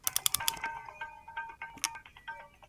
دوړې د بدن پر پوستکي پاتې کېږي.